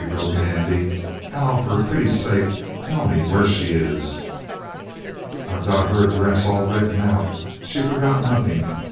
broke in Andy. "Hal, for pity's sake, tell me where she is!" "I've got her address all written out. She forgot nothing.